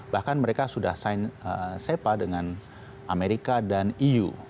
bahkan mereka sudah sign sepa dengan amerika dan eu